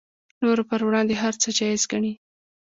نورو پر وړاندې هر څه جایز ګڼي